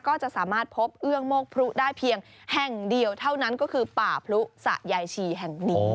ก็จะสามารถพบเอื้องโมกพลุได้เพียงแห่งเดียวเท่านั้นก็คือป่าพรุสะยายชีแห่งนี้